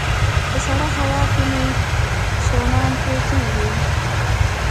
په سړه هوا کې مې سوڼان پرې کيږي